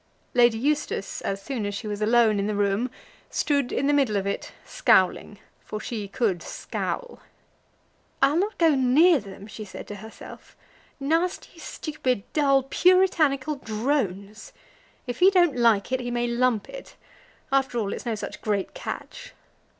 Lady Eustace, as soon as she was alone in the room, stood in the middle of it, scowling, for she could scowl. "I'll not go near them," she said to herself, "nasty, stupid, dull, puritanical drones. If he don't like it, he may lump it. After all it's no such great catch."